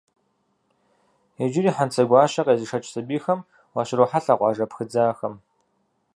Иджыри Хьэнцэгуащэ къезышэкӏ сэбийхэм уащырохьэлӏэ къуажэ пхыдзахэм.